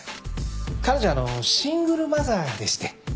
彼女はシングルマザーでして。